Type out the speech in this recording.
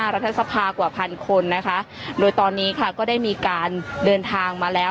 รัฐสภากว่าพันคนนะคะโดยตอนนี้ค่ะก็ได้มีการเดินทางมาแล้ว